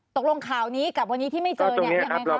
ตกลงข่านี้กับวันนี้ที่ไม่เจอเนี่ยยังไงครับก็ตรงนี้ครับ